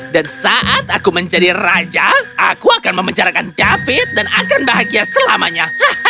dan saat aku menjadi raja aku akan memenjarakan david dan akan bahagia selamanya